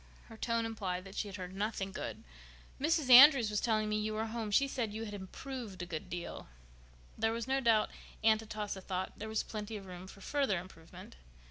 Her tone implied that she had heard nothing good. "Mrs. Andrews was telling me you were home. She said you had improved a good deal." There was no doubt Aunt Atossa thought there was plenty of room for further improvement.